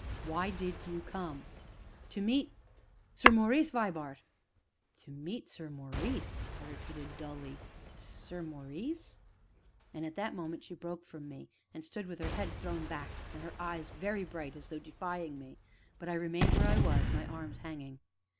"Why did you come?" "To meet Sir Maurice Vibart." "To meet Sir Maurice?" I repeated dully "Sir Maurice?" And in that moment she broke from me, and stood with her head thrown back, and her eyes very bright, as though defying me. But I remained where I was, my arms hanging.